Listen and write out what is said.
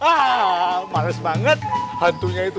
wah males banget hantunya itu